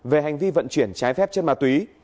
về hành vi vận chuyển trái phép chất ma túy